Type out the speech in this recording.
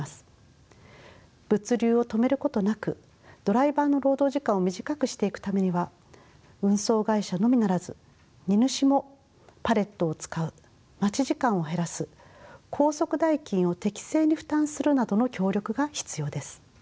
物流を止めることなくドライバーの労働時間を短くしていくためには運送会社のみならず荷主もパレットを使う待ち時間を減らす高速代金を適正に負担するなどの協力が必要です。